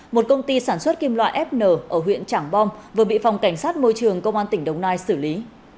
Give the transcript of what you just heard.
một công ty sản xuất kim loại fn ở huyện trảng bom vừa bị phòng cảnh sát môi trường công an tỉnh đồng nai xử lý